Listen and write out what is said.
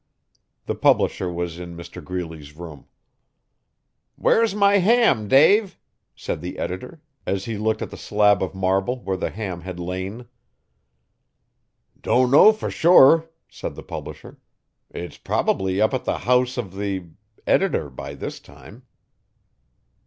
The publisher was in Mr Greeley's room. 'Where's my ham, Dave?' said the editor as he looked at the slab of marble where the ham had lain. 'Don't know for sure,' said the publisher, 'it's probably up at the house of the editor by this time.